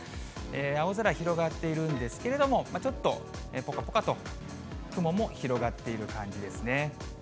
青空広がっているんですけれども、ちょっとぽこぽこと雲も広がっている感じですね。